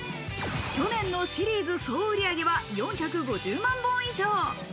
去年のシリーズ総売り上げは４５０万本以上。